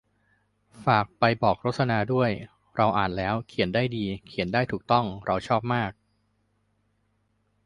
ฝากไปบอกรสนาด้วย เราอ่านแล้ว เขียนได้ดี เขียนได้ถูกต้อง เราชอบมาก